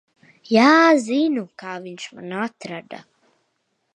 Jā, zinu, kā viņš mani atrada.